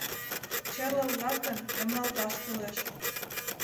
Черле улат гын, эмлалташ кӱлеш.